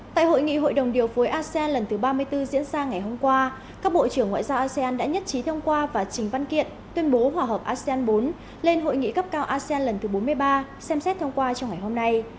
tại hội nghị hội đồng điều phối asean lần thứ ba mươi bốn diễn ra ngày hôm qua các bộ trưởng ngoại giao asean đã nhất trí thông qua và trình văn kiện tuyên bố hòa hợp asean bốn lên hội nghị cấp cao asean lần thứ bốn mươi ba xem xét thông qua trong ngày hôm nay